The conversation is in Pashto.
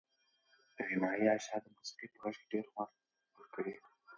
غنایي اشعار د موسیقۍ په غږ کې ډېر خوند ورکوي.